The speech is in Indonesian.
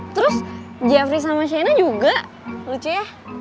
terus jeffrey sama shane juga lucu ya